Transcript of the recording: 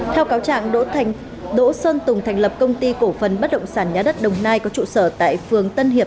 theo cáo trạng đỗ xuân tùng thành lập công ty cổ phần bất động sản nhà đất đồng nai có trụ sở tại phường tân hiệp